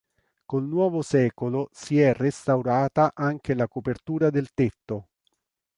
Col nuovo secolo si è restaurata anche la copertura del tetto.